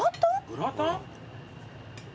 グラタン？